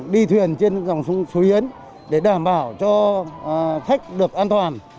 đi thuyền trên dòng suối yến để đảm bảo cho khách được an toàn